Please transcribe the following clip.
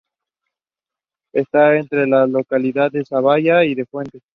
Está entre las localidades de Zavalla y de Fuentes.